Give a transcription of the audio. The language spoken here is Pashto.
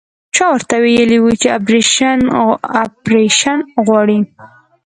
چا ورته ويلي وو چې اپرېشن غواړي.